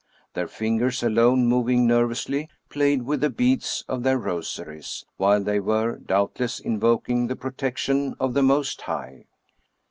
Their fingers alone moving nervously, played with the beads of their rosaries, while they were, doubtless, invoking the protection of the Most High.